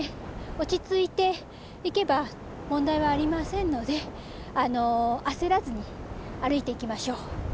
落ち着いていけば問題はありませんので焦らずに歩いていきましょう。